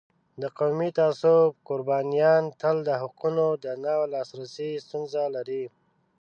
د قومي تعصب قربانیان تل د حقونو د نه لاسرسی ستونزه لري.